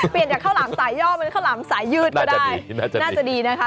เปลี่ยนจากข้าวหลามสายย่อเป็นข้าวหลามสายยืดก็ได้น่าจะดีนะคะ